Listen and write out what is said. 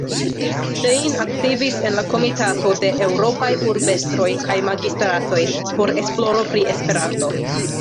Stein aktivis en la Komitato de eŭropaj urbestroj kaj magistratoj por esploro pri Esperanto.